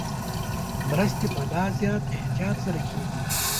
مرستې په لا زیات احتیاط سره کېږي.